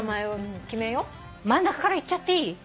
真ん中からいっちゃっていい？